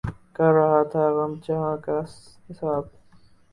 کر رہا تھا غم جہاں کا حساب